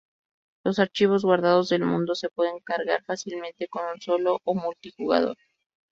Los archivos guardados del mundo se pueden cargar fácilmente con un solo o multijugador.